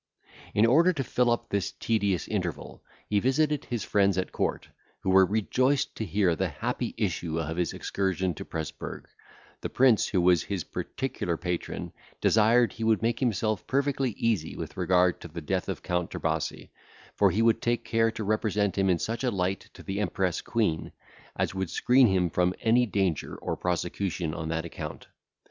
In order to fill up this tedious interval, he visited his friends at court, who were rejoiced to hear the happy issue of his excursion to Presburg; the prince, who was his particular patron, desired he would make himself perfectly easy with regard to the death of Count Trebasi, for he would take care to represent him in such a light to the empress queen, as would screen him from any danger or prosecution on that account.